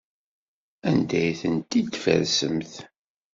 Anda ay tent-id-tfarsemt?